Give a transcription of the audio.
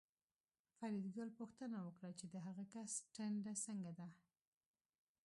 فریدګل پوښتنه وکړه چې د هغه کس ټنډه څنګه ده